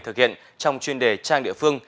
thực hiện trong chuyên đề trang địa phương